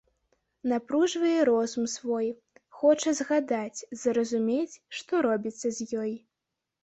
Напружвае розум свой, хоча згадаць, зразумець, што робіцца з ёй.